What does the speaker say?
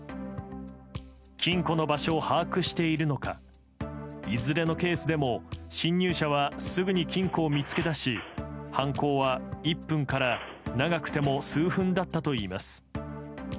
金庫の場所を把握しているのかいずれのケースでも侵入者はすぐに金庫を見つけ出し犯行は１分から長くても数分だったといいます。